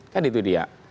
kan itu dia